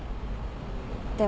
でも。